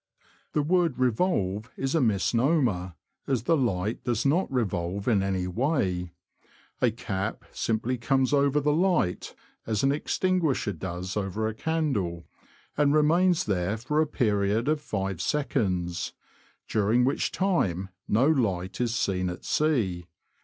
The word " revolve " is a misnomer, as the light does not revolve in any way; a cap simply comes over the light, as an extinguisher does over a candle, and remains there for a period of five seconds, during which time no light is seen at sea.